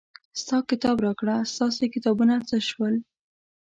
ستا کتاب راکړه ستاسې کتابونه څه شول.